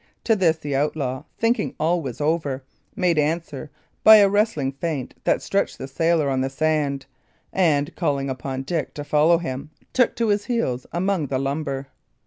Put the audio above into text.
To this the outlaw, thinking all was over, made answer by a wrestling feint that stretched the sailor on the sand, and, calling upon Dick to follow him, took to his heels among the lumber.